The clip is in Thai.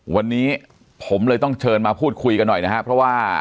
วันนี้ผมเลยต้องเชิญมาพูดคุยกันหน่อยนะครับเพราะว่า